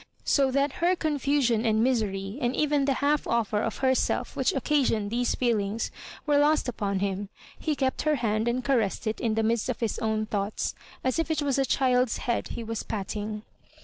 So that her confusion and mi sery, and even the half offer of herself which occasioned these feelings, were lost upon him. He kept her hand and caressed it in the midst of his own thoughts, as if it was a child's head he was patting.